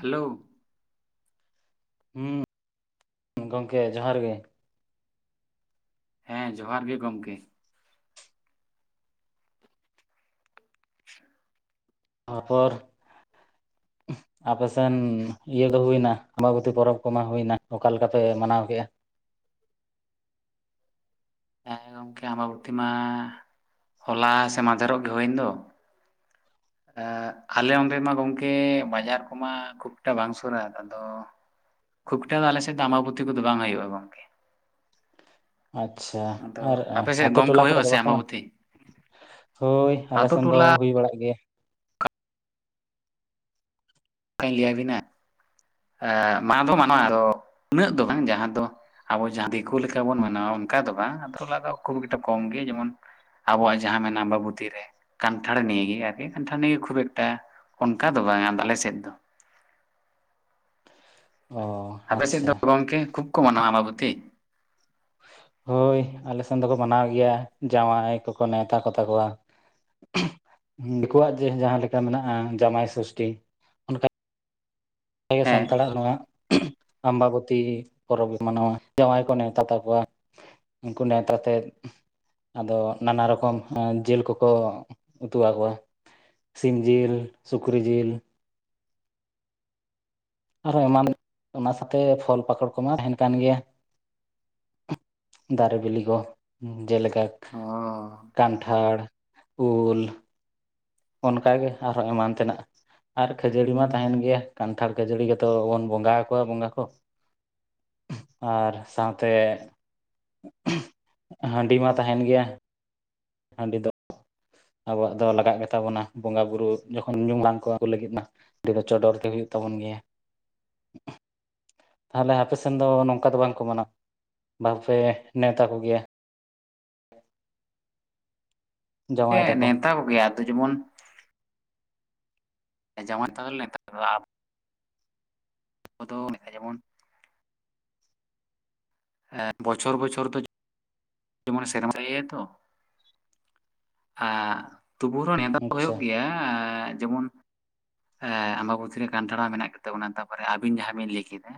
Hello. ᱦᱩᱸ ᱜᱚᱝᱠᱮ ᱡᱚᱦᱟᱨ ᱜᱮ᱾ ᱦᱮᱸ ᱡᱚᱦᱟᱨ ᱜᱮ ᱜᱚᱝᱠᱮ᱾ ᱟᱪᱪᱷᱟ᱾ ᱛᱟᱯᱚᱨ ᱟᱯᱮᱥᱮᱱ ᱤᱭᱟᱹ ᱫᱚ ᱦᱩᱭᱱᱟ ᱟᱢᱵᱟᱵᱚᱛᱤ ᱯᱚᱨᱚᱵᱽ ᱠᱚᱢᱟ ᱦᱩᱭᱱᱟ, ᱚᱠᱟ ᱞᱮᱠᱟ ᱯᱮ ᱢᱟᱱᱟᱣ ᱠᱮᱜ-ᱟ? ᱦᱮᱸ ᱜᱚᱝᱠᱮ ᱟᱸᱵᱟᱵᱚᱛᱤ ᱢᱟ ᱦᱚᱞᱟ ᱥᱮ ᱢᱟᱫᱷᱮᱨᱚᱜ ᱜᱮ ᱦᱩᱭᱮᱱ ᱫᱚ᱾ ᱮᱸᱜ ᱟᱞᱮ ᱚᱸᱰᱮ ᱢᱟ ᱜᱚᱝᱠᱮ ᱵᱟᱡᱟᱨ ᱠᱚᱢᱟ ᱠᱷᱩᱵᱴᱟ ᱵᱟᱝ ᱥᱩᱨᱟ ᱟᱫᱚ᱾ ᱠᱷᱩᱵᱴᱟ ᱫᱚ ᱟᱞᱮ ᱥᱮᱫ ᱫᱚ ᱟᱸᱵᱟᱵᱚᱛᱤ ᱠᱚᱫᱚ ᱵᱟᱝ ᱦᱩᱭᱩᱜ-ᱟ ᱜᱚᱝᱠᱮ᱾ ᱟᱪᱪᱷᱟ ᱟᱫᱚ ᱟᱨ ᱟᱯᱮ ᱥᱮᱫ ᱟᱹᱛᱩ ᱜᱚᱢᱠᱮ ᱴᱚᱞᱟ ᱠᱚᱨᱮ ᱦᱩᱭᱩᱜᱼᱟ ᱫᱚ ᱥᱮ ᱵᱟᱠᱚ ᱢᱟᱱᱟᱣ? ᱟᱢᱵᱟᱵᱚᱛᱤ ᱦᱳᱭ ᱟᱛᱳ ᱟᱞᱮᱥᱮᱱ ᱫᱚ ᱴᱚᱞᱟ ᱦᱩᱭ ᱵᱟᱲᱟᱜ ᱜᱮᱭᱟ᱾ ᱚᱠᱟᱧ ᱞᱟᱹᱭᱟᱵᱤᱱᱟ ᱟᱻ ᱢᱟ ᱫᱚ ᱢᱟᱱᱣᱟ, ᱟᱫᱚ ᱩᱱᱟᱹᱜ ᱫᱚ ᱵᱟᱝ᱾ ᱡᱟᱦᱟᱸ ᱫᱚ ᱟᱵᱚ ᱡᱟᱦᱟᱸ ᱫᱤᱠᱩ ᱞᱮᱠᱟ ᱵᱚᱱ ᱢᱟᱱᱟᱣᱟ ᱚᱱᱠᱟ ᱫᱚ ᱵᱟᱝ ᱟᱫᱚ ᱫᱚ ᱠᱷᱩᱵ ᱮᱠᱴᱟ ᱠᱚᱢ ᱜᱮ ᱡᱮᱢᱚᱱ ᱟᱵᱚᱣᱟᱜ ᱡᱟᱦᱟᱸ ᱢᱮᱱᱟᱜ-ᱟ ᱟᱸᱵᱟᱵᱩᱛᱤ ᱨᱮ ᱠᱟᱱᱴᱷᱟᱲ ᱱᱤᱭᱮ ᱜᱮ ᱟᱨᱠᱤ᱾ ᱠᱟᱱᱴᱷᱟᱲ ᱱᱤᱭᱮ ᱠᱷᱩᱵ ᱮᱠᱴᱟ ᱚᱱᱠᱟ ᱫᱚ ᱵᱟᱝ ᱟᱫᱚ ᱟᱞᱮ ᱥᱮᱫ ᱫᱚ᱾ ᱚ ᱟᱯᱮ ᱥᱮᱫ ᱟᱪᱪᱷᱟ ᱫᱚ ᱜᱚᱝᱠᱮ ᱠᱷᱩᱵ ᱠᱚ ᱢᱟᱱᱟᱣᱟ ᱟᱸᱵᱟᱵᱚᱛᱤ? ᱦᱳᱭ ᱟᱞᱮ ᱥᱮᱫ ᱫᱚᱠᱚ ᱢᱟᱱᱟᱣ ᱜᱮᱭᱟ ᱡᱟᱶᱟᱭ ᱠᱚᱠᱚ ᱱᱮᱣᱛᱟ ᱠᱚ ᱛᱟᱠᱚᱣᱟ᱾ ᱫᱤᱠᱩᱣᱟᱜ ᱡᱮ ᱡᱟᱦᱟᱸ ᱞᱮᱠᱟ ᱢᱮᱱᱟᱜ-ᱟ ᱡᱟᱢᱟᱭ ᱥᱚᱥᱴᱤ᱾ ᱟᱞᱮ ᱦᱮᱸ ᱥᱟᱱᱛᱟᱲᱟᱜ ᱦᱚᱸ ᱟᱸᱵᱟᱵᱚᱛᱤ ᱯᱚᱨᱚᱵᱽ ᱞᱮ ᱢᱟᱱᱟᱣᱟ, ᱡᱟᱶᱟᱭ ᱠᱚ ᱱᱮᱣᱛᱟ ᱠᱟᱠᱚᱣᱟ᱾ ᱩᱱᱠᱩ ᱱᱮᱣᱛᱟ ᱛᱮ ᱟᱫᱚ ᱱᱟᱱᱟ ᱨᱚᱠᱚᱢ ᱮᱸ ᱡᱮᱹᱞ ᱠᱚᱠᱚ ᱩᱛᱩ ᱟᱠᱚᱣᱟ᱾ ᱥᱤᱢ ᱡᱤᱞ, ᱥᱩᱠᱨᱤ ᱡᱤᱞ᱾ ᱟᱨᱚ ᱮᱢᱟᱱ ᱚᱱᱟ ᱥᱟᱛᱮ ᱯᱷᱚᱞ ᱯᱟᱠᱚᱲ ᱠᱚᱢᱟ ᱛᱟᱦᱮᱱ ᱠᱟᱱ ᱜᱮᱭᱟ᱾ ᱫᱟᱨᱮ ᱵᱤᱞᱤ ᱠᱚ ᱡᱮᱞᱮ ᱞᱟᱠ, ᱚ ᱠᱟᱱᱴᱷᱟᱲ, ᱩᱞ, ᱚᱱᱠᱟᱜᱮ ᱟᱨᱦᱚᱸ ᱮᱢᱟᱱ ᱛᱮᱱᱟᱜ᱾ ᱟᱨ ᱠᱷᱟᱹᱡᱟᱹᱲᱤ ᱢᱟ ᱛᱟᱦᱮᱱ ᱜᱮᱭᱟ, ᱠᱟᱱᱴᱷᱟᱲ ᱠᱷᱟᱹᱡᱟᱹᱲᱤ ᱜᱮᱛᱚ ᱵᱚᱱ ᱵᱚᱸᱜᱟ ᱟᱠᱚᱣᱟ ᱵᱚᱸᱜᱟ ᱠᱚ᱾ ᱟᱨ ᱥᱟᱶᱛᱮ ᱦᱟᱺᱰᱤ ᱢᱟ ᱛᱟᱦᱮᱱ ᱜᱮᱭᱟ᱾ ᱦᱟᱺᱰᱤ ᱫᱚ ᱟᱵᱚᱣᱟᱜ ᱫᱚ ᱞᱟᱜᱟᱜ ᱜᱮᱛᱟ ᱵᱚᱱᱟ ᱵᱚᱸᱜᱟ ᱵᱩᱨᱩ ᱡᱚᱠᱷᱚᱱ ᱧᱩᱢ ᱵᱟᱝ ᱠᱚ ᱟᱹᱜᱩ ᱞᱟᱹᱜᱤᱫ ᱢᱟ᱾ ᱚᱸᱰᱮ ᱫᱚ ᱪᱚᱰᱚᱨ ᱛᱮ ᱦᱩᱭᱩᱜ ᱛᱟᱵᱚᱱ ᱜᱮᱭᱟ᱾ [inaudible] ᱛᱟᱦᱞᱮ ᱟᱯᱮ ᱥᱮᱱ ᱫᱚ ᱱᱚᱝᱠᱟ ᱫᱚ ᱵᱟᱝᱠᱚ ᱢᱟᱱᱟ? ᱵᱟᱯᱮ ᱱᱮᱣᱛᱟ ᱠᱚᱜᱮᱭᱟ? ᱡᱟᱶᱟᱭ ᱦᱮᱸ ᱛᱟᱠᱚ ᱱᱮᱣᱛᱟ ᱠᱚᱜᱮᱭᱟ ᱟᱫᱚ ᱡᱮᱢᱚᱱ ᱡᱟᱶᱟᱭ ᱛᱚᱞ ᱞᱮ ᱱᱮᱣᱛᱟ ᱠᱚᱣᱟ ᱟᱵ ᱵᱚᱫᱚᱞ ᱞᱮᱜ-ᱟ ᱡᱮᱢᱚᱱ ᱦᱮᱸ ᱵᱚᱪᱷᱚᱨ ᱵᱚᱪᱷᱚᱨ ᱫᱚ ᱡᱮᱢᱚᱱ ᱥᱮᱨᱢᱟ ᱤᱭᱟᱹᱭᱟᱭ ᱛᱚ, ᱮᱸᱻ ᱛᱩᱵᱩ ᱨᱮᱦᱚ ᱱᱮᱣᱛᱟ ᱟᱪᱪᱷᱟ ᱦᱩᱭᱩᱜ ᱜᱮᱭᱟ᱾ ᱡᱮᱢᱚᱱ ᱮᱸ ᱟᱢᱵᱟᱵᱚᱛᱤ ᱨᱮ ᱠᱟᱱᱴᱷᱟᱲ ᱢᱟ ᱢᱮᱱᱟᱜ ᱜᱮ ᱛᱟᱵᱚᱱᱟ ᱛᱟᱯᱚᱨ ᱟᱵᱤᱱ ᱡᱟᱦᱟᱸ ᱵᱤᱱ ᱞᱟᱹᱭ ᱠᱮᱫᱟ᱾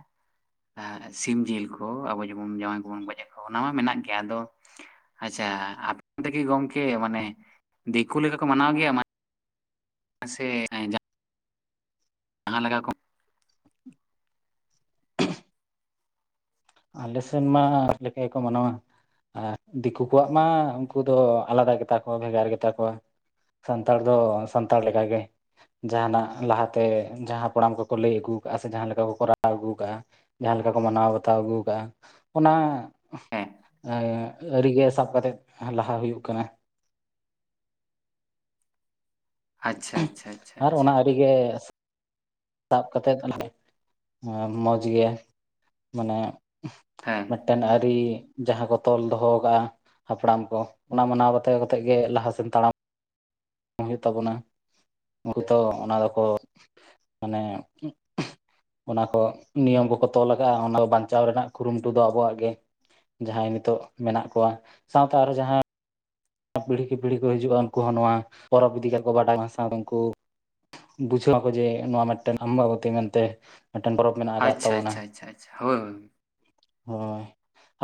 ᱮᱸᱻ ᱥᱤᱢ ᱡᱤᱞ ᱠᱚ ᱟᱵᱚ ᱡᱮᱢᱚᱱ ᱡᱟᱶᱟᱭ ᱠᱚᱵᱚᱱ ᱜᱚᱡ ᱮᱫ ᱠᱚᱣᱟ ᱚᱱᱟ ᱢᱟ ᱢᱮᱱᱟᱜ ᱜᱮᱭᱟ᱾ ᱟᱫᱚ ᱟᱪᱪᱷᱟ ᱟᱯᱮ ᱛᱮᱜᱮ ᱜᱚᱢᱠᱮ ᱢᱟᱱᱮ ᱫᱤᱠᱩ ᱞᱮᱠᱟ ᱠᱚ ᱢᱟᱱᱟᱣ ᱜᱮᱭᱟ ᱢᱟ? ᱥᱮ ᱟᱸᱡᱟᱜ ᱱᱟᱦᱟᱸ ᱠᱮᱠᱟ ᱠᱚ ᱟᱞᱮ ᱥᱮᱱ ᱢᱟ [inaudible] ᱞᱮᱠᱟ ᱜᱮᱠᱚ ᱢᱟᱱᱟᱣᱟ᱾ ᱟᱨ ᱫᱤᱠᱩ ᱠᱚᱣᱟᱜ ᱢᱟ ᱩᱜᱠᱩ ᱫᱚ ᱟᱞᱟᱫᱟ ᱜᱮᱛᱟ ᱠᱚᱣᱟ ᱵᱷᱮᱜᱟᱨ ᱜᱮᱛᱟ ᱠᱚᱣᱟ᱾ ᱥᱟᱱᱛᱟᱲ ᱫᱚ ᱥᱟᱱᱛᱟᱲ ᱞᱮᱠᱟ ᱜᱮ᱾ ᱡᱟᱦᱟᱱᱟᱜ ᱞᱟᱦᱟᱛᱮ ᱡᱟᱦᱟᱸ ᱦᱟᱯᱲᱟᱢ ᱠᱚᱠᱚ ᱞᱟᱹᱭ ᱟᱹᱜᱩ ᱠᱟᱜ-ᱟ ᱥᱮ ᱡᱟᱦᱟᱸ ᱞᱮᱠᱟ ᱠᱚ ᱠᱚᱨᱟᱣ ᱟᱹᱜᱩ ᱠᱟᱜ-ᱟ᱾ ᱡᱟᱦᱟᱸ ᱞᱮᱠᱟ ᱠᱚ ᱢᱟᱱᱟᱣ ᱵᱟᱛᱟᱣ ᱟᱹᱜᱩ ᱠᱟᱟᱜ-ᱟ᱾ ᱚᱱᱟ ᱦᱮᱸ ᱮᱸᱜ, ᱟᱹᱨᱤᱜᱮ ᱥᱟᱵ ᱠᱟᱛᱮᱫ ᱞᱟᱦᱟ ᱦᱩᱭᱩᱜ ᱠᱟᱱᱟ᱾ ᱟᱪᱪᱷᱟ ᱟᱪᱪᱷᱟ ᱟᱪᱪᱷᱟ ᱟᱪᱪᱷᱟ᱾ ᱤᱭᱮᱥ᱾ ᱥᱟᱵ ᱠᱟᱛᱮᱫ ᱮᱸ ᱢᱚᱡᱽ ᱜᱮ ᱢᱟᱱᱮ᱾ ᱦᱮᱸ ᱢᱮᱫᱴᱮᱱ ᱟᱹᱨᱤ ᱡᱟᱦᱟᱸ ᱠᱚ ᱛᱚᱞ ᱫᱚᱦᱚ ᱠᱟᱜ-ᱟ᱾ ᱦᱟᱯᱲᱟᱢ ᱠᱚ ᱚᱱᱟ ᱢᱟᱱᱟᱣ ᱵᱟᱛᱟᱣ ᱠᱟᱛᱮᱫ ᱜᱮ ᱞᱟᱦᱟ ᱥᱮᱱ ᱛᱟᱲᱟᱢ᱾ ᱦᱩᱭᱩᱜ ᱛᱟᱵᱚᱱᱟ᱾ ᱦᱚᱭᱛᱳ ᱚᱱᱟ ᱫᱚᱠᱚ ᱢᱟᱱᱮ ᱚᱱᱟ ᱠᱚ ᱱᱤᱭᱚᱢ ᱠᱚᱠᱚ ᱛᱚᱞ ᱟᱠᱟᱜ-ᱟ ᱚᱱᱟ ᱵᱟᱧᱪᱟᱣ ᱨᱮᱱᱟᱜ ᱠᱩᱨᱩᱢᱩᱴᱩ ᱫᱚ ᱟᱵᱚᱣᱟᱜ ᱜᱮ᱾ ᱡᱟᱦᱟᱸᱭ ᱱᱤᱛᱳᱜ ᱢᱮᱱᱟᱜ ᱠᱚᱣᱟ, ᱥᱟᱶᱛᱮ ᱟᱨᱚ ᱡᱟᱦᱟᱸ ᱯᱤᱲᱦᱤ ᱠᱮ ᱯᱤᱲᱦᱤ ᱠᱚ ᱦᱤᱡᱩᱜ-ᱟ ᱩᱱᱠᱩ ᱦᱚᱸ ᱱᱚᱣᱟ ᱯᱚᱨᱚᱵ ᱤᱫᱤ ᱠᱟᱠᱚ ᱵᱟᱰᱟᱭ ᱢᱟᱥᱟ ᱩᱱᱠᱩ ᱵᱩᱡᱷᱟᱹᱣᱟᱠᱚ ᱡᱮ ᱱᱚᱣᱟ ᱢᱤᱫᱴᱮᱱ ᱟᱢᱵᱟᱵᱚᱛᱤ ᱢᱮᱱᱛᱮ ᱢᱤᱫᱴᱮᱱ ᱯᱚᱨᱚᱵᱽ ᱢᱮᱱᱟᱜ ᱟᱠᱟᱫ ᱟᱪᱪᱷᱟ ᱛᱟᱵᱚᱱᱟ ᱟᱪᱪᱷᱟ ᱟᱪᱪᱷᱟ ᱟᱪᱪᱷᱟ ᱦᱳᱭ ᱦᱳᱭ ᱦᱳᱭ᱾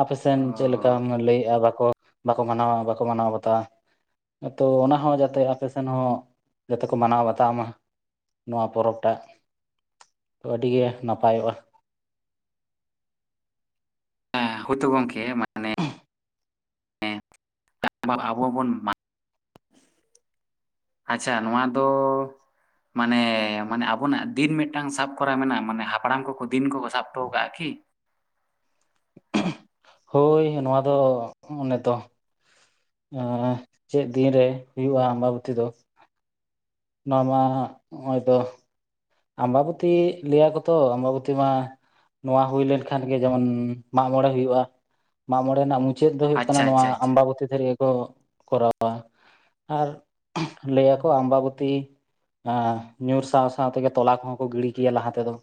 ᱟᱯᱮᱥᱮᱱ ᱚ ᱪᱮᱫ ᱞᱮᱠᱟᱢ ᱞᱟᱹᱭᱮᱜ-ᱟ ᱵᱟᱠᱚ, ᱵᱟᱠᱚ ᱢᱟᱱᱟᱣᱟ ᱵᱟᱠᱚ ᱢᱟᱱᱟᱣ ᱵᱟ ᱛᱟ, ᱠᱤᱱᱛᱩ ᱚᱱᱟ ᱦᱚᱸ ᱡᱟᱛᱮ ᱟᱯᱮ ᱥᱮᱱ ᱦᱚᱸ ᱡᱟᱛᱮ ᱠᱚ ᱢᱟᱱᱟᱣ ᱵᱟᱛᱟᱣ ᱢᱟ᱾ ᱱᱚᱣᱟ ᱯᱚᱨᱚᱵ ᱴᱟᱜ ᱛᱚ, ᱟᱹᱰᱤᱜᱮ ᱱᱟᱯᱟᱭᱚᱜ-ᱟ᱾ ᱦᱮᱸ ᱦᱳᱭᱛᱚ ᱜᱚᱝᱠᱮ ᱢᱟ [unintelligible] ᱟᱵᱚ ᱵᱚᱱ ᱟᱪᱪᱷᱟ ᱱᱚᱣᱟ ᱫᱚ ᱢᱟᱱᱮ ᱢᱟᱱᱮ ᱟᱵᱚᱱᱟᱜ ᱫᱤᱱ ᱢᱤᱫᱴᱟᱝ ᱥᱟᱵ ᱠᱚᱨᱟᱣ ᱢᱮᱱᱟᱜ-ᱟ ᱢᱟᱱᱮ ᱦᱟᱯᱲᱟᱢ ᱠᱚᱠᱚ ᱫᱤᱱ ᱠᱚᱠᱚ ᱥᱟᱵ ᱦᱚᱴᱚ ᱠᱟᱜ-ᱟ ᱠᱤ? ᱦᱳᱭ ᱱᱚᱣᱟ ᱫᱚ ᱚᱱᱮᱛᱚ᱾ ᱟ, ᱪᱮᱫ ᱫᱤᱱᱨᱮ ᱦᱩᱭᱩᱜ-ᱟ ᱟᱢᱵᱟᱵᱛᱤ ᱫᱚ? ᱢᱟ, ᱱᱚᱣᱟ ᱱᱚᱜ-ᱚᱭ ᱛᱚ᱾ ᱟᱢᱵᱟᱵᱚᱛᱤ ᱞᱟᱹᱭᱟᱠᱚ ᱛᱚ ᱟᱢᱵᱟᱵᱚᱛᱤ ᱢᱟ ᱱᱚᱣᱟ ᱦᱩᱭ ᱞᱮᱱᱠᱷᱟᱱ ᱡᱮᱢᱚᱱ ᱢᱟᱜ ᱢᱚᱬᱮ ᱦᱩᱭᱩᱜ-ᱟ ᱢᱟᱜ ᱢᱚᱬᱮ ᱨᱮᱱᱟᱜ ᱢᱩᱪ ᱪᱟᱹᱛ ᱫᱚ ᱦᱩᱭᱩᱜ ᱠᱟᱱᱟ ᱟᱪᱪᱷᱟ ᱱᱚᱣᱟ ᱟᱪᱪᱷᱟ ᱟᱪᱪᱷᱟ ᱟᱢᱵᱟᱵᱚᱛ ᱫᱷᱟᱹᱨᱭᱟᱹ ᱠᱚ ᱠᱚᱨᱟᱣᱟ᱾ ᱟᱨ ᱞᱟᱹᱭᱟᱠᱚ ᱟᱢᱵᱟᱵᱚᱛᱤ ᱮᱸ ᱧᱩᱨ ᱥᱟᱶ ᱥᱟᱶ ᱛᱮᱜᱮ ᱛᱚᱞᱟ ᱠᱚᱦᱚᱸ ᱠᱚ ᱜᱤᱲᱤ ᱠᱮᱭᱟ ᱞᱟᱦᱟ ᱛᱮᱫᱚ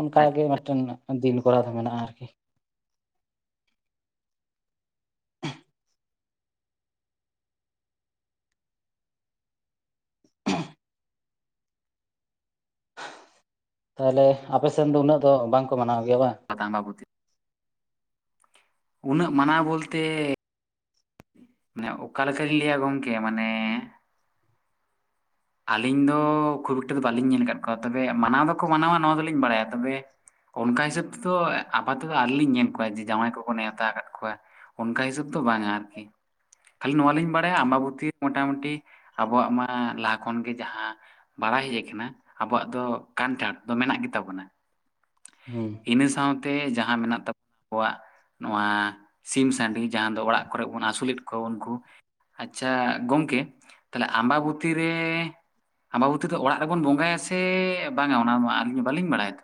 ᱚᱱᱠᱟ ᱜᱮ ᱟᱪᱪᱷᱟ ᱢᱤᱫᱴᱮᱱ ᱫᱚ᱾ ᱫᱤᱱ ᱠᱚᱲᱟ ᱫᱚ ᱢᱮᱱᱟᱜ-ᱟ ᱟᱨᱠᱤ᱾ ᱛᱟᱦᱞᱮ ᱟᱯᱮ ᱥᱮᱱ ᱫᱚ ᱩᱱᱟᱹᱜ ᱫᱚ ᱵᱟᱝᱠᱚ ᱢᱟᱱᱟᱣ ᱜᱮᱭᱟ ᱵᱟᱝ? ᱟᱸᱵᱟᱵᱚᱛᱤ ᱩᱱᱟᱹᱜ ᱢᱟᱱᱟᱣ ᱵᱚᱞᱛᱮ ᱢᱟᱱᱮ ᱚᱠᱟ ᱞᱮᱠᱟᱧ ᱞᱟᱹᱭᱟ ᱜᱚᱝᱠᱮ ᱢᱟᱱᱮ ᱟᱹᱞᱤᱧ ᱫᱚ ᱠᱷᱩᱵ ᱮᱠᱴᱟ ᱫᱚ ᱵᱟᱟᱹᱞᱤᱧ ᱧᱮᱞ ᱟᱠᱟᱫ ᱠᱚᱣᱟ ᱛᱚᱵᱮ ᱢᱟᱱᱟᱣ ᱫᱚᱠᱚ ᱢᱟᱱᱟᱣᱟ ᱱᱚᱣᱟ ᱫᱚᱞᱤᱧ ᱵᱟᱲᱟᱭᱟ ᱛᱚᱵᱮ ᱚᱱᱠᱟ ᱦᱤᱥᱟᱹᱵᱽ ᱛᱮᱫᱚ ᱟᱯᱟᱛᱚ ᱟᱣᱨᱤ ᱞᱤᱧ ᱧᱮᱞ ᱠᱚᱣᱟ ᱡᱮ ᱡᱟᱶᱟᱭ ᱠᱚᱠᱚ ᱱᱮᱣᱛᱟ ᱟᱠᱟᱫ ᱠᱚᱣᱟ, ᱚᱱᱠᱟ ᱦᱤᱥᱟᱹᱵᱽ ᱫᱚ ᱵᱟᱝᱟ ᱟᱨᱠᱤ᱾ ᱠᱷᱟᱞᱤ ᱱᱚᱣᱟ ᱞᱤᱧ ᱵᱟᱲᱟᱭᱟ ᱟᱢᱵᱟᱵᱩᱛᱤ ᱢᱚᱴᱟᱢᱩᱴᱤ ᱟᱵᱚᱣᱟᱜ ᱢᱟ ᱞᱟᱦ ᱠᱷᱚᱱ ᱜᱮ ᱡᱟᱦᱟᱸ ᱵᱟᱲᱟᱭ ᱦᱮᱡ ᱟᱠᱟᱱᱟ ᱟᱵᱚᱣᱟᱜ ᱫᱚ ᱠᱟᱱᱴᱷᱟᱲ ᱫᱚ ᱢᱮᱱᱟᱜ ᱜᱮᱛᱟᱵᱚᱱᱟ᱾ ᱦᱩᱸ ᱤᱱᱟᱹ ᱥᱟᱸᱣᱛᱮ ᱡᱟᱦᱟᱸ ᱢᱮᱱᱟᱜ [unintelligible] ᱟᱵᱚᱣᱟᱜᱼᱼ ᱱᱚᱣᱟ ᱥᱤᱢ ᱥᱟᱺᱰᱤ ᱡᱟᱦᱟᱸ ᱫᱚ ᱚᱲᱟᱜ ᱠᱚᱨᱮᱜ ᱵᱚᱱ ᱟᱹᱥᱩᱞᱮᱫ ᱠᱚᱣᱟ ᱩᱱᱠᱩᱼᱼ ᱟᱪᱪᱷᱟ ᱜᱚᱢᱠᱮ ᱛᱟᱦᱞᱮ ᱟᱢᱵᱟᱵᱚᱛᱤ ᱨᱮᱻ ᱟᱢᱵᱟᱵᱚᱛᱤ ᱫᱚ ᱚᱲᱟᱜ ᱨᱮᱵᱚᱱ ᱵᱚᱸᱜᱟᱭᱟ ᱥᱮ ᱵᱟᱝᱟ ᱚᱱᱟ ᱢᱟ ᱟᱹᱞᱤᱧ ᱢᱟ ᱵᱟᱹᱞᱤᱧ ᱵᱟᱲᱟᱭ ᱫᱚ᱾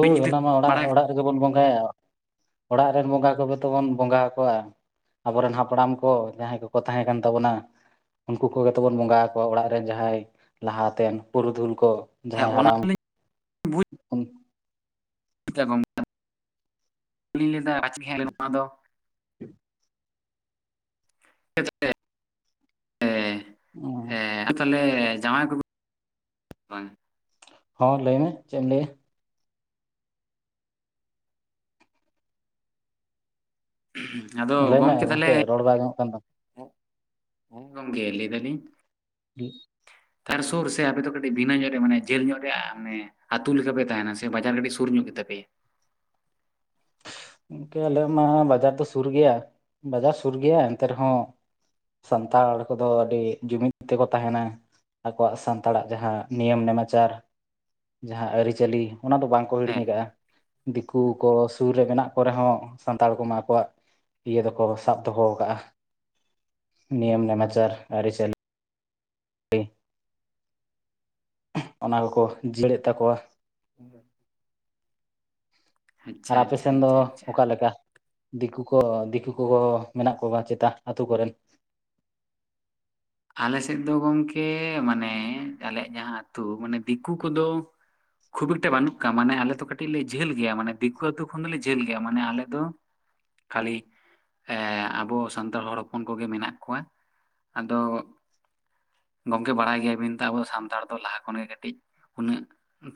ᱟᱹᱵᱤᱱ ᱡᱩᱫᱤ ᱚᱱᱟᱢᱟ ᱵᱤᱱ ᱚᱲᱟᱜ ᱵᱟᱲᱟᱭ ᱠᱷᱟᱱ ᱚᱲᱟᱜ ᱨᱮᱜᱮ ᱵᱚᱱ ᱵᱚᱸᱜᱟᱭᱟ᱾ ᱚᱲᱟᱜ ᱨᱮᱱ ᱵᱚᱸᱜᱟ ᱠᱚᱜᱮ ᱛᱚᱛᱚᱵ ᱵᱚᱸᱜᱟ ᱟᱠᱚᱣᱟ᱾ ᱟᱵᱚᱨᱮᱱ ᱦᱟᱯᱲᱟᱢ ᱠᱚ ᱡᱟᱦᱟᱸᱭ ᱠᱚᱠᱚ ᱛᱟᱦᱮᱸ ᱠᱟᱱ ᱛᱟᱵᱚᱱᱟ᱾ ᱩᱱᱠᱩ ᱠᱚᱜᱮ ᱛᱚᱵᱚᱱ ᱵᱚᱸᱜᱟ ᱟᱠᱚᱣᱟ ᱚᱲᱟᱜ ᱨᱮᱱ ᱡᱟᱦᱟᱸᱭ ᱞᱟᱦᱟ ᱛᱮᱱ ᱯᱩᱨᱩᱫᱷᱩᱞ ᱠᱚ᱾ ᱦᱮᱸ ᱡᱟᱦᱟᱸᱭ ᱦᱟᱲᱟᱢᱼᱼ ᱚᱱᱟᱞᱤᱧ [unintelligible] ᱞᱟᱹᱭ ᱫᱟ ᱯᱟᱪᱮᱫ ᱜᱮ ᱦᱟᱸᱜ ᱱᱚᱣᱟ ᱫᱚᱼᱼ [inaudible] [inaudible] ᱮᱻ ᱚᱸ ᱛᱟᱦᱚᱞᱮ ᱡᱟᱣᱟᱸᱭ [inaudible] ᱠᱚ ᱵᱟᱝᱟ᱾ ᱦᱚᱭ ᱞᱟᱹᱭᱢᱮ ᱪᱮᱫ ᱮᱢ ᱞᱟᱹᱭᱟ᱾ [unintelligible] ᱞᱟᱹᱭᱢᱮ ᱜᱚᱝᱠᱮ ᱨᱚᱲ ᱵᱟᱭ ᱟᱸᱡᱚᱢᱚᱜ ᱠᱟᱱ ᱛᱟᱢᱼᱼ [unintelligible] ᱜᱚᱢᱠᱮ ᱞᱟᱹᱭ ᱫᱟᱞᱤᱧᱼᱼ [unintelligible] ᱛᱟᱨ ᱥᱩᱨ ᱥᱮ ᱟᱯᱮ ᱫᱚ ᱠᱟᱹᱴᱤᱡ ᱵᱷᱤᱱᱟᱹ ᱧᱚᱜ ᱨᱮ ᱢᱟᱱᱮ ᱡᱷᱟᱹᱞ ᱧᱚᱜ ᱨᱮᱭᱟᱜ ᱢᱟᱱᱮᱼᱼ ᱟᱹᱛᱩ ᱞᱮᱠᱟ ᱯᱮ ᱛᱟᱦᱮᱸᱱᱟ ᱥᱮ ᱵᱟᱡᱟᱨ ᱠᱟᱹᱴᱤᱡ ᱥᱩᱨ ᱧᱚᱜ ᱜᱮ ᱛᱟᱯᱮᱭᱟ? ᱜᱚᱝᱠᱮ ᱟᱞᱮᱭᱟᱜ ᱢᱟ ᱵᱟᱡᱟᱨ ᱫᱚ ᱥᱩᱨ ᱜᱮᱭᱟ ᱵᱟᱡᱟᱨ ᱥᱩᱨ ᱜᱮᱭᱟ ᱮᱱᱛᱮ ᱨᱮᱦᱚᱸᱼᱼ ᱥᱟᱱᱛᱟᱲ ᱠᱚᱫᱚ ᱟᱹᱰᱤ ᱡᱩᱢᱤᱫᱽ ᱛᱮᱠᱚ ᱛᱟᱦᱮᱸᱱᱟ᱾ ᱟᱠᱚᱣᱟᱜ ᱥᱟᱱᱛᱟᱲᱟᱜ ᱡᱟᱦᱟᱸ ᱱᱤᱭᱚᱢ ᱱᱮᱢᱟᱪᱟᱨᱼᱼ ᱡᱟᱦᱟᱸ ᱟᱹᱨᱤᱪᱟᱹᱞᱤ ᱚᱱᱟ ᱫᱚ ᱵᱟᱝ ᱠᱚ ᱦᱤᱲᱤᱧ ᱦᱮᱸ ᱟᱠᱟᱫ-ᱟ᱾ ᱫᱤᱠᱩ ᱠᱚᱼᱼ ᱥᱩᱨ ᱨᱮ ᱢᱮᱱᱟᱜ ᱠᱚᱨᱮ ᱦᱚᱸ ᱥᱟᱱᱛᱟᱲ ᱠᱚᱢᱟ ᱟᱠᱚᱣᱟᱜ ᱦᱮᱸ ᱤᱭᱟᱹ ᱫᱚᱠᱚ ᱥᱟᱵ ᱫᱚᱦᱚ ᱠᱟᱜ-ᱟ᱾ ᱱᱤᱭᱚᱢ ᱱᱟᱢᱟᱪᱟᱨ ᱟᱹᱨᱤᱪᱟᱹᱞᱤᱼᱼ ᱚᱱᱟ ᱫᱚᱠᱚ ᱡᱤᱭᱟᱹᱲᱮᱫ ᱛᱟᱠᱚᱣᱟ᱾ ᱦᱮᱸ ᱟᱪᱪᱷᱟ ᱟᱨ ᱟᱯᱮ ᱟᱪᱪᱷᱟ ᱥᱮᱱ ᱫᱚ ᱟᱪᱪᱷᱟ ᱟᱪᱪᱷᱟ ᱚᱠᱟ ᱞᱮᱠᱟ? ᱫᱤᱠᱩ ᱠᱚ ᱫᱤᱠᱩ ᱠᱚ ᱢᱮᱱᱟᱜ ᱠᱚᱣᱟ ᱪᱮᱛᱟ ᱟᱹᱛᱩ ᱠᱚᱨᱮ? ᱟᱞᱮ ᱥᱮᱫ ᱫᱚ ᱜᱚᱝᱠᱮ ᱢᱟᱱᱮ ᱟᱞᱮᱭᱟᱜ ᱡᱟᱦᱟᱸ ᱟᱹᱛᱩ ᱢᱟᱱᱮ ᱫᱤᱠᱩ ᱠᱚᱫᱚᱼᱼ ᱠᱷᱩᱵ ᱮᱠᱴᱟ ᱵᱟᱹᱱᱩᱜ ᱠᱚᱣᱟ ᱢᱟᱱᱮ ᱟᱞᱮ ᱫᱚ ᱠᱟᱹᱴᱤᱡ ᱞᱮ ᱡᱷᱟᱹᱞ ᱜᱮᱭᱟ ᱢᱟᱱᱮ ᱫᱤᱠᱩ ᱟᱛᱩ ᱠᱷᱚᱱ ᱫᱚᱞᱮ ᱡᱷᱟᱹᱞ ᱜᱮᱭᱟ ᱢᱟᱱᱮ ᱟᱞᱮ ᱫᱚᱼᱼ ᱠᱷᱟᱹᱞᱤ ᱟᱵᱚ ᱥᱟᱱᱛᱟᱲ ᱦᱚᱲ ᱦᱚᱯᱚᱱ ᱠᱚᱜᱮ ᱢᱮᱱᱟᱜ ᱠᱚᱣᱟ᱾ ᱟᱫᱚᱼᱼ ᱜᱚᱝᱠᱮ ᱵᱟᱲᱟᱭ ᱜᱮᱭᱟ ᱵᱤᱱ ᱛᱚ ᱟᱵᱚ ᱥᱟᱱᱛᱟᱲ ᱫᱚ ᱞᱟᱦᱟ ᱠᱷᱚᱱ ᱜᱮ ᱠᱟᱹᱴᱤᱡᱼᱼ ᱩᱱᱟᱹᱜ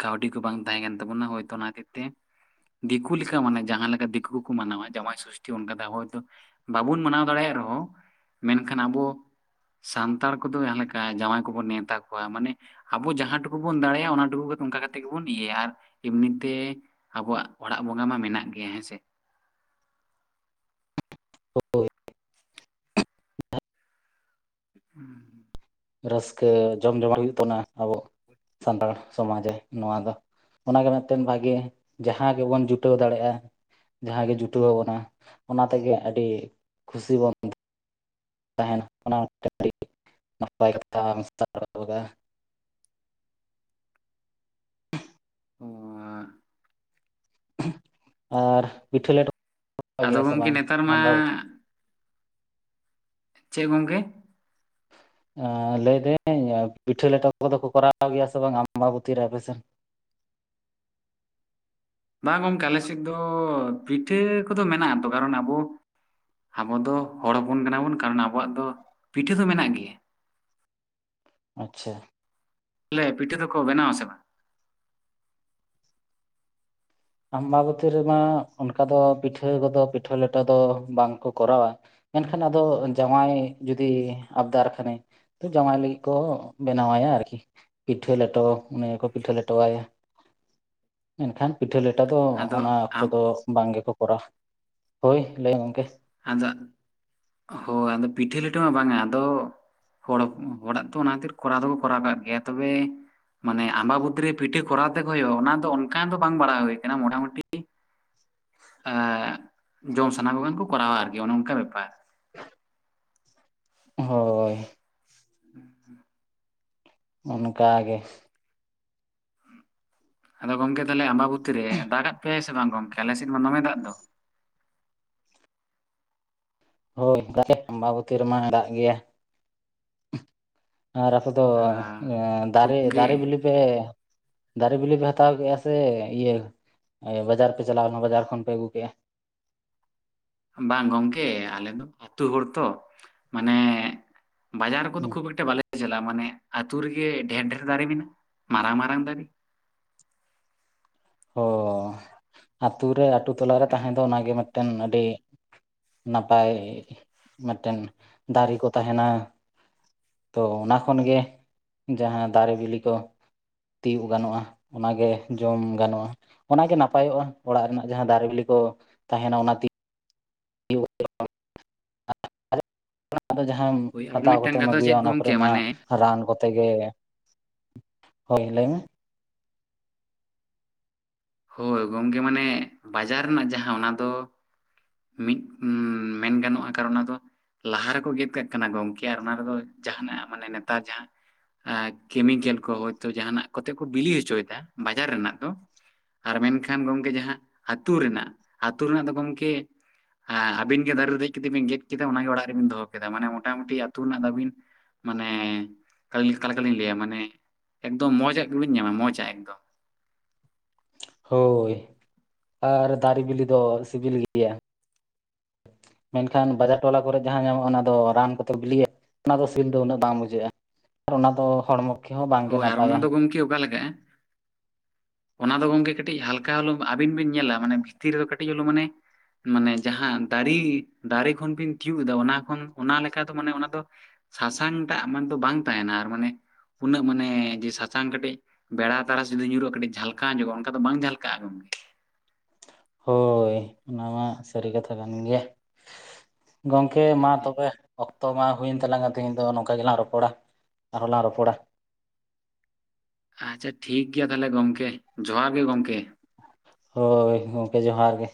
ᱠᱟᱹᱣᱰᱤ ᱠᱚ ᱵᱟᱝ ᱛᱟᱦᱮᱸ ᱠᱟᱱ ᱛᱟᱵᱚᱱᱟ ᱦᱳᱭ ᱛᱚ ᱚᱱᱟ ᱠᱷᱟᱹᱛᱤᱨ ᱛᱮᱼᱼ ᱫᱤᱠᱩ ᱞᱮᱠᱟ ᱢᱟᱱᱮ ᱡᱟᱦᱟᱸ ᱞᱮᱠᱟ ᱫᱤᱠᱩ ᱠᱚᱠᱚ ᱢᱟᱱᱟᱣᱟ ᱡᱟᱸᱣᱟᱭ ᱥᱩᱥᱴᱤ ᱚᱱᱠᱟ ᱦᱚᱭ ᱫᱚᱼᱼ ᱵᱟᱵᱩᱱ ᱢᱟᱱᱟᱣ ᱫᱟᱲᱮᱭᱟᱜ ᱨᱮᱦᱚᱸ ᱢᱮᱱᱠᱷᱟᱱ ᱟᱵᱚᱼᱼ ᱥᱟᱱᱛᱟᱲ ᱠᱚᱫᱚ ᱡᱟᱦᱟᱸ ᱞᱮᱠᱟ ᱡᱟᱸᱣᱟᱭ ᱠᱚᱵᱚᱱ ᱱᱮᱶᱛᱟ ᱠᱚᱣᱟ, ᱢᱟᱱᱮᱼᱼ ᱟᱵᱚ ᱡᱟᱦᱟᱸ ᱴᱩᱠᱩ ᱵᱚᱱ ᱫᱟᱲᱮᱭᱟᱜ-ᱟ ᱚᱱᱟ ᱴᱩᱠᱩ ᱚᱱᱠᱟ ᱠᱟᱛᱮ ᱜᱮᱵᱚᱱ ᱤᱭᱟᱹᱭᱟ ᱟᱨ ᱤᱢᱱᱤᱛᱮᱼᱼ ᱟᱵᱚᱣᱟᱜ ᱚᱲᱟᱜ ᱵᱚᱸᱜᱟ ᱢᱟ ᱢᱮᱱᱟᱜ ᱜᱮᱭᱟ ᱦᱮᱸᱥᱮ᱾ ᱦᱳᱭ᱾ ᱦᱩᱸ ᱨᱟᱹᱥᱠᱟᱹ ᱡᱚᱢ ᱡᱚᱢᱟ ᱦᱩᱭᱩᱜ ᱛᱟᱱᱚᱱᱟ ᱟᱵᱚ ᱥᱟᱱᱛᱟᱲ ᱥᱚᱢᱟᱡᱽ ᱨᱮ ᱱᱚᱣᱟ ᱫᱚ᱾ ᱚᱱᱟᱜᱮ ᱢᱤᱫᱴᱮᱱ ᱵᱷᱟᱜᱮ ᱡᱟᱦᱟᱸ ᱜᱮᱵᱚᱱ ᱡᱩᱴᱟᱹᱣ ᱫᱟᱲᱮᱭᱟᱜ-ᱟ᱾ ᱡᱟᱦᱟᱸ ᱜᱮ ᱡᱩᱴᱟᱹᱣ ᱟᱵᱚᱱᱟ ᱚᱱᱟ ᱛᱮᱜᱮ ᱟᱹᱰᱤ ᱠᱷᱩᱥᱤ ᱵᱚᱱᱼᱼ ᱛᱟᱦᱮᱸᱱᱟ ᱚᱱᱟ ᱢᱤᱫᱴᱟᱹᱝ ᱟᱹᱰᱤ ᱱᱟᱯᱟᱭ ᱠᱟᱛᱷᱟ [unintelligible] ᱚ ᱟᱨ ᱯᱤᱴᱷᱟᱹ ᱞᱮᱴᱚ ᱟᱫᱚ ᱜᱮᱭᱟ ᱯᱮ ᱥᱮ ᱜᱚᱢᱠᱮ ᱵᱟᱝ ᱱᱮᱛᱟᱨ ᱢᱟ ᱟᱢᱵᱟ? ᱪᱮᱫ ᱜᱚᱝᱠᱮ? ᱞᱟᱹᱭᱫᱟᱹᱧ ᱯᱤᱴᱷᱟᱹ ᱞᱮᱴᱚ ᱠᱚᱫᱚ ᱠᱚ ᱠᱚᱨᱟᱣ ᱜᱮᱭᱟ ᱥᱮ ᱵᱟᱝ ᱟᱢᱵᱟᱵᱚᱛᱤ ᱨᱮ ᱟᱯᱮ ᱥᱮᱱ? ᱵᱟᱝ ᱜᱚᱝᱠᱮ ᱟᱞᱮ ᱥᱮᱫ ᱫᱚ ᱯᱤᱴᱷᱟᱹ ᱠᱚᱫᱚ ᱢᱮᱱᱟᱜ ᱟᱛᱚ ᱠᱟᱨᱚᱱ ᱟᱵᱚ ᱟᱵᱚ ᱫᱚ ᱦᱚᱲ ᱦᱚᱯᱚᱱ ᱠᱟᱱᱟ ᱵᱚᱱ, ᱠᱟᱨᱚᱱ ᱟᱵᱚᱣᱟᱜ ᱫᱚ ᱯᱤᱴᱷᱟᱹ ᱫᱚ ᱢᱮᱱᱟᱜ ᱜᱮᱭᱟ ᱾ ᱟᱪᱪᱷᱟ ᱛᱟᱦᱮᱞᱮ ᱯᱤᱴᱷᱟᱹ ᱫᱚᱠᱚ ᱵᱮᱱᱟᱣᱟ ᱥᱮ ᱵᱟᱝ? ᱟᱢᱵᱟᱵᱚᱛᱤ ᱨᱮᱢᱟ ᱚᱱᱠᱟ ᱫᱚ ᱯᱤᱴᱷᱟᱹ ᱠᱚᱫᱚ ᱯᱤᱴᱷᱟᱹ ᱞᱮᱴᱚ ᱫᱚ ᱵᱟᱝᱠᱚ ᱠᱚᱨᱟᱣᱟ ᱾ ᱢᱮᱱᱠᱷᱟᱱ ᱟᱫᱚ ᱡᱟᱶᱟᱭ ᱡᱩᱫᱤ ᱟᱵᱫᱟᱨ ᱠᱷᱟᱱᱮ ᱡᱟᱶᱟᱭ ᱞᱟᱹᱜᱤᱫ ᱠᱚ ᱵᱮᱱᱟᱣ ᱟᱭᱟ ᱟᱨᱠᱤ ᱾ ᱯᱤᱴᱷᱟᱹ ᱞᱮᱴᱚ ᱩᱱᱤ ᱜᱮᱠᱚ ᱯᱤᱴᱷᱟᱹ ᱞᱮᱴᱚ ᱟᱭᱟ ᱾ ᱢᱮᱱᱠᱷᱟᱱ ᱯᱤᱴᱷᱟᱹ ᱞᱮᱴᱟ ᱫᱚ ᱚᱱᱟ ᱟᱫᱚ ᱚᱠᱛᱚ ᱟᱢ ᱫᱚ ᱵᱟᱝ ᱜᱮᱠᱚ ᱠᱚᱨᱟᱣᱟ ᱾ ᱦᱚᱭ ᱞᱟᱹᱭ ᱜᱚᱢᱠᱮ ᱟᱡᱟᱜ ᱦᱚᱭ ᱟᱫᱚ ᱯᱤᱴᱷᱟᱹ ᱞᱮᱴᱚ ᱢᱟ ᱵᱟᱝᱟ᱾ ᱟᱫᱚ ᱦᱚᱲ ᱦᱚᱲᱟᱜ ᱫᱚ ᱚᱱᱟ ᱠᱷᱟᱹᱛᱤᱨ ᱠᱚᱨᱟᱣ ᱫᱚᱠᱚ ᱠᱚᱨᱟᱣ ᱠᱟᱜ ᱜᱮᱭᱟ᱾ ᱛᱚᱵᱮ ᱢᱟᱱᱮ ᱟᱢᱵᱟᱵᱚᱛᱤ ᱨᱮ ᱯᱤᱴᱷᱟᱹ ᱠᱚᱨᱟᱣ ᱛᱮᱠᱚ ᱦᱩᱭᱩᱜᱼᱟ ᱚᱱᱟ ᱫᱚ ᱚᱱᱠᱟ ᱫᱚ ᱵᱟᱝ ᱵᱟᱲᱟ ᱦᱩᱭ ᱟᱠᱟᱱᱟ᱾ ᱢᱚᱴᱟ-ᱢᱩᱴᱤ ᱟᱻ ᱡᱮᱢᱚᱱ ᱥᱟᱱᱟ ᱠᱚ ᱠᱷᱟᱱ ᱠᱚ ᱠᱚᱨᱟᱣᱟ ᱟᱨᱠᱤ ᱾ᱚᱱᱮ ᱚᱱᱠᱟ ᱵᱮᱯᱟᱨ ᱾ ᱦᱚᱭ ᱾ [inaudible] ᱚᱱᱠᱟ ᱜᱮ ᱾ ᱟᱫᱚ ᱜᱚᱢᱠᱮ ᱛᱟᱦᱚᱞᱮ ᱟᱢᱵᱟᱵᱚᱛᱤ ᱨᱮ ᱫᱟᱜ-ᱟᱜ ᱯᱮᱭᱟ ᱥᱮ ᱵᱟᱝ? ᱜᱚᱝᱠᱮ ᱟᱞᱮ ᱥᱮᱫ ᱢᱟ ᱫᱚᱢᱮ ᱫᱟᱜ ᱫᱚ ᱾ ᱦᱚᱭ [unintelligible] ᱟᱢᱵᱟᱵᱚᱛᱤ ᱨᱮᱢᱟ ᱫᱟᱜ ᱜᱮᱭᱟ ᱾ ᱟᱨ ᱟᱯᱮ ᱫᱚ ᱟᱸ ᱠᱷᱩᱵ ᱫᱟᱨᱮ ᱜᱮ ᱫᱟᱨᱮ ᱵᱤᱞᱤ ᱟᱯᱮ ᱫᱟᱨᱮ ᱵᱤᱞᱤ ᱯᱮ ᱦᱟᱛᱟᱣ ᱟ ᱥᱮ? ᱤᱭᱟᱹ ᱵᱟᱡᱟᱨ ᱯᱮ ᱪᱟᱞᱟᱣ ᱮᱱᱟ ᱵᱟᱡᱟᱨ ᱠᱷᱚᱱ ᱯᱮ ᱟᱹᱜᱩ ᱠᱮᱜᱼᱟ? ᱵᱟᱝ ᱜᱚᱝᱠᱮ ᱟᱞᱮ ᱫᱚ ᱟᱹᱛᱩ ᱦᱚᱲ ᱛᱚ ᱢᱟᱱᱮ ᱵᱟᱡᱟᱨ ᱠᱚᱫᱚ ᱠᱷᱩᱵ ᱮᱠᱴᱟ ᱵᱟᱞᱮ ᱡᱮᱞᱟ ᱢᱟᱱᱮ ᱟᱹᱛᱩᱳ ᱨᱮᱜᱮ ᱰᱷᱮᱨ ᱰᱷᱮᱨ ᱫᱟᱨᱮ ᱢᱮᱱᱟᱜᱼᱟ ᱾ ᱢᱟᱨᱟᱝ ᱢᱟᱨᱟᱝ ᱫᱟᱨᱮ᱾ ᱚᱻ ᱟᱛᱩ ᱨᱮ ᱟᱹᱛᱩ ᱛᱚᱞᱟᱨᱮ ᱛᱟᱦᱮᱸ ᱫᱚ ᱚᱱᱟᱜᱮ ᱢᱤᱫᱴᱮᱱ ᱟᱹᱰᱤ ᱱᱟᱯᱟᱭ ᱢᱤᱫᱴᱮᱱ ᱫᱟᱨᱮ ᱠᱚ ᱛᱟᱦᱮᱱᱟ ᱾ ᱛᱚ ᱚᱱᱟ ᱠᱷᱚᱱ ᱜᱮ ᱡᱟᱦᱟᱸ ᱫᱟᱨᱮ ᱵᱤᱞᱤ ᱠᱚ ᱛᱤᱭᱳᱜ ᱜᱟᱱᱚᱜᱼᱟ ᱚᱱᱟ ᱜᱮ ᱡᱚᱢ ᱜᱟᱱᱚᱜᱼᱟ ᱾ ᱚᱱᱟ ᱜᱮ ᱱᱟᱯᱟᱭᱚᱜᱼᱟ ᱚᱲᱟᱜ ᱨᱮᱱᱟᱜ ᱡᱟᱦᱟᱸ ᱫᱟᱨᱮ ᱵᱤᱞᱤ ᱠᱚ ᱛᱟᱦᱮᱱᱟ ᱚᱱᱟ [unintelligible] ᱚᱱᱟ ᱫᱚ ᱡᱟᱦᱟᱸᱢ ᱦᱳᱭ ᱟᱨ ᱦᱟᱛᱟᱣ ᱢᱤᱫᱴᱟᱝ ᱠᱟᱛᱮᱢ ᱠᱟᱛᱷᱟ ᱟᱹᱜᱩᱭᱟ ᱪᱮᱫ ᱚᱱᱟ ᱠᱚᱨᱮ ᱜᱚᱝᱠᱮ ᱢᱟ ᱢᱟᱱᱮ ᱨᱟᱱ ᱠᱚᱛᱮ ᱜᱮ, ᱦᱚᱭ ᱞᱟᱹᱭᱢ? ᱦᱚᱭ ᱜᱚᱢᱠᱮ ᱢᱟᱱᱮ, ᱵᱟᱡᱟᱨ ᱨᱮᱱᱟᱜ ᱡᱟᱦᱟᱸ ᱚᱱᱟ ᱫᱚ ᱢᱤᱫ ᱢᱮᱱ ᱜᱟᱱᱚᱜᱼᱟ ᱠᱟᱨᱱ ᱚᱱᱟ ᱫᱚ ᱞᱟᱦᱟ ᱨᱮᱠᱚ ᱜᱮᱫ ᱠᱟᱜ ᱠᱟᱱᱟ ᱜᱚᱢᱠᱮ ᱟᱨ ᱚᱱᱟ ᱨᱮᱫᱚ ᱡᱟᱦᱟᱱᱟᱜ ᱢᱟᱱᱮ ᱱᱮᱛᱟᱨ ᱡᱟᱦᱟᱸ ᱟᱨ ᱠᱮᱢᱤᱠᱮᱞ ᱠᱚ ᱦᱚᱭ ᱛᱚ ᱡᱟᱦᱟᱱᱟᱜ ᱠᱚᱛᱮ ᱠᱚ ᱵᱤᱞᱤ ᱦᱚᱪᱚᱭᱮᱫ-ᱟ ᱵᱟᱡᱟᱨ ᱨᱮᱱᱟᱜ ᱫᱚ ᱾ ᱟᱨ ᱢᱮᱱᱠᱷᱟᱱ ᱜᱚᱢᱠᱮ ᱡᱟᱦᱟᱸ ᱟᱹᱛᱩ ᱨᱮᱱᱟᱜ, ᱟᱹᱛᱩ ᱨᱮᱱᱟᱜ ᱫᱚ ᱜᱚᱢᱠᱮ ᱦᱮᱸ ᱟᱵᱤᱱ ᱜᱮ ᱫᱟᱨᱮ ᱨᱮ ᱫᱮᱡ ᱠᱟᱛᱮᱜ ᱵᱤᱱ ᱜᱮᱫ ᱠᱮᱫᱟ ᱾ ᱚᱱᱟ ᱜᱮ ᱚᱲᱟᱜ ᱨᱮᱵᱤᱱ ᱫᱚᱦᱚ ᱠᱮᱫᱟ ᱢᱟᱱᱮ ᱢᱚᱴᱟᱢᱩᱴᱤ ᱟᱹᱛᱩ ᱨᱮᱱᱟᱜ ᱫᱟᱹᱵᱤᱱ ᱢᱟᱱᱮ ᱚᱠᱟ ᱞᱮᱠᱟᱞᱤᱧ ᱞᱟᱹᱭᱟ ᱢᱟᱱᱮ ᱮᱠᱫᱚᱢ ᱢᱚᱸᱚᱡ ᱟᱜ ᱜᱮ ᱵᱤᱱ ᱧᱟᱢ-ᱟ ᱢᱚᱸᱡᱽ-ᱟᱜ ᱮᱠᱫᱚᱢ ᱾ ᱦᱚᱭ ᱟᱨ ᱫᱟᱨᱮ ᱵᱤᱞᱤ ᱫᱚ ᱥᱤᱵᱤᱞ ᱜᱮᱭᱟ ᱾ ᱢᱮᱱᱠᱷᱟᱱ ᱵᱟᱡᱟᱨ ᱴᱚᱞᱟ ᱠᱚᱨᱮ ᱡᱟᱦᱟᱸ ᱧᱟᱢᱚᱜᱼᱟ ᱚᱱᱟ ᱫᱚ ᱨᱟᱱ ᱠᱚᱛᱮ ᱵᱤᱞᱤᱭᱟ ᱚᱱᱟ ᱫᱚ ᱥᱤᱵᱤᱞ ᱫᱚ ᱩᱱᱟᱹᱜ ᱵᱟᱝ ᱵᱩᱡᱷᱟᱹᱜᱼᱟ ᱾ ᱟᱨ ᱚᱱᱟ ᱫᱚ ᱦᱚᱲᱢᱚ ᱦᱚᱭ ᱟᱨ ᱚᱱᱟ ᱱᱟᱯᱟᱭᱟ ᱫᱚ ᱜᱚᱢᱠᱮ ᱚᱠᱟ ᱞᱮᱠᱟᱜ-ᱟ? ᱚᱱᱟ ᱫᱚ ᱜᱚᱝᱠᱮ ᱠᱟᱹᱴᱤᱡ ᱦᱟᱞᱠᱟ ᱦᱚᱞᱳ ᱟᱵᱤᱱ ᱵᱤᱱ ᱧᱮᱞᱟ, ᱢᱟᱱᱮ ᱵᱷᱤᱛᱤᱨ ᱨᱮᱫᱚ ᱠᱟᱹᱴᱤᱡ ᱦᱚᱞᱩ ᱢᱟᱱᱮ ᱢᱟᱱᱮ ᱡᱟᱦᱟᱸ ᱫᱟᱨᱤ, ᱫᱟᱨᱮ ᱠᱷᱚᱱ ᱵᱤᱱ ᱛᱤᱭᱜ ᱮᱫᱟ ᱚᱱᱟ ᱠᱷᱚᱱ ᱚᱱᱟ ᱞᱮᱠᱟ ᱫᱚ ᱢᱟᱱᱮ ᱚᱱᱟ ᱫᱚ ᱥᱟᱥᱟᱝ ᱴᱟᱜ ᱢᱟᱱᱮ ᱫᱚ ᱵᱟᱝ ᱛᱟᱦᱮᱱᱟ ᱟᱨ ᱢᱟᱱᱮ ᱩᱱᱟᱹᱜ ᱢᱟᱱᱮ ᱡᱮ ᱥᱟᱥᱟᱝ ᱠᱟᱹᱴᱤᱡ ᱵᱮᱲᱟ ᱛᱟᱨᱟ ᱡᱩᱫᱤ ᱧᱩᱨᱩᱜᱼᱟ ᱠᱟᱴᱤᱡ ᱡᱷᱟᱞᱠᱟᱣ ᱧᱚᱜᱼᱟ ᱾ ᱚᱱᱠᱟ ᱫᱚ ᱵᱟᱝ ᱡᱷᱟᱞᱠᱟᱜᱼᱟ ᱜᱚᱢᱠᱮ ᱾ ᱦᱚᱭ ᱚᱱᱟ ᱢᱟ ᱥᱟᱹᱨᱤ ᱠᱟᱛᱷᱟ ᱠᱟᱱ ᱜᱮᱭᱟ ᱾ ᱜᱚᱢᱠᱮ ᱢᱟ ᱛᱚᱵᱮ ᱚᱠᱛᱚ ᱢᱟ ᱦᱩᱭᱮᱱ ᱛᱟᱝᱟ ᱛᱮᱦᱤᱧ ᱫᱚ ᱱᱚᱝᱠᱟ ᱜᱮᱞᱟᱝ ᱨᱚᱯᱚᱲᱟ ᱟᱨᱦᱚᱸᱞᱟᱝ ᱨᱚᱯᱚᱲᱟ᱾ ᱟᱪᱪᱷᱟ ᱴᱷᱤᱠ ᱜᱮᱭᱟ ᱛᱟᱦᱚᱞᱮ ᱜᱚᱢᱠᱮ ᱡᱚᱦᱟᱨ ᱜᱮ ᱜᱚᱢᱠᱮ᱾ ᱦᱳᱭ ᱜᱚᱢᱠᱮ ᱡᱚᱦᱟᱨ ᱜᱮ᱾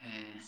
ᱦᱮᱸ᱾